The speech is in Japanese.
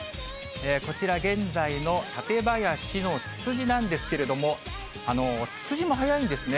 こちら、現在の館林のツツジなんですけれども、ツツジも早いんですね。